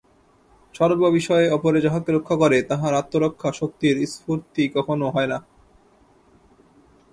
সর্ব বিষয়ে অপরে যাহাকে রক্ষা করে, তাহার আত্মরক্ষা শক্তির স্ফূর্তি কখনও হয় না।